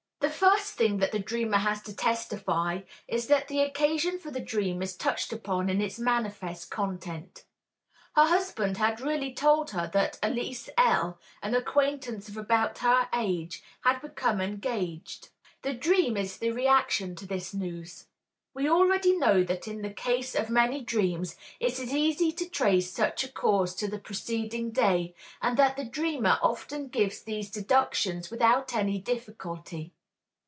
_" The first thing that the dreamer has to testify is that the occasion for the dream is touched upon in its manifest content. Her husband had really told her that Elise L., an acquaintance of about her age, had become engaged. The dream is the reaction to this news. We already know that in the case of many dreams it is easy to trace such a cause to the preceding day, and that the dreamer often gives these deductions without any difficulty.